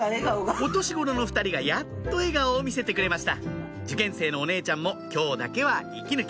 お年頃の２人がやっと笑顔を見せてくれました受験生のお姉ちゃんも今日だけは息抜き